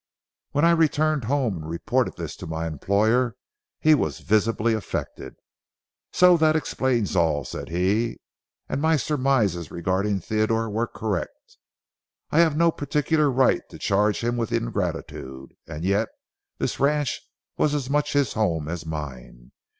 When I returned home and reported this to my employer, he was visibly affected. "So that explains all," said he, "and my surmises regarding Theodore were correct. I have no particular right to charge him with ingratitude, and yet this ranch was as much his home as mine.